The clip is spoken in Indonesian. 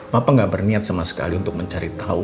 papa gak berniat sama sekali untuk mencari tau